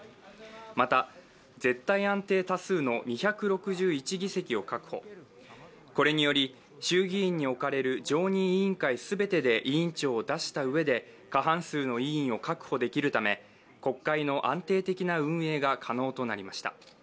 また、絶対安定多数の２６１議席を確保、これにより衆議院に置かれる常任委員会全てで委員長を出した上で過半数の委員を確保できるため国会の安定的な運営が可能となりました。